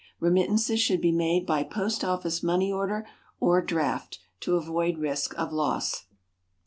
Remittances should be made by POST OFFICE MONEY ORDER or DRAFT, to avoid risk of loss.